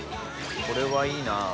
これはいいな。